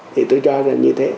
thì tôi cho là như thế